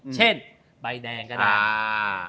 เช่นใบแดงก็ได้